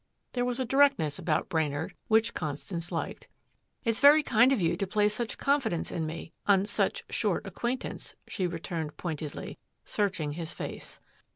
There was a directness about Brainard which Constance liked. "It's very kind of you to place such confidence in me on such short acquaintance," she returned pointedly, searching his face.